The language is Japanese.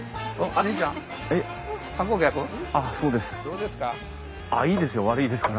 どうですか？